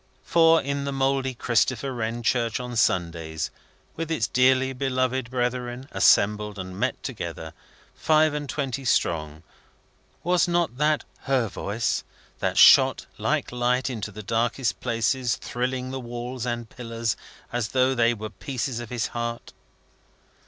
For, in the mouldy Christopher Wren church on Sundays, with its dearly beloved brethren assembled and met together, five and twenty strong, was not that Her voice that shot like light into the darkest places, thrilling the walls and pillars as though they were pieces of his heart!